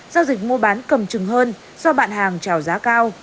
giao dịch mua bán cầm chừng hơn do bạn hàng trào giá cao